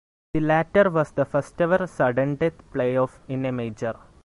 The latter was the first ever sudden-death playoff in a major.